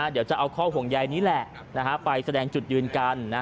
เดี๋ยวจะเอาข้อห่วงใยนี้แหละไปแสดงจุดยืนกัน